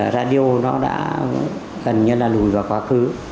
radio nó đã gần như là lùn vào quá khứ